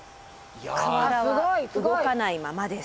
瓦は動かないままです。